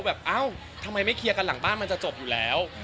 เอ้าทำไมไม่เคลียร์กันหลังบ้านมันจะจบอยู่แล้ว